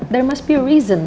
dan pasti ada alasan